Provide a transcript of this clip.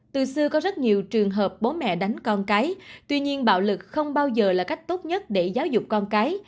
từ xưa có rất nhiều trường hợp bố mẹ đánh con cái tuy nhiên bạo lực không bao giờ là cách tốt nhất để giáo dục con cái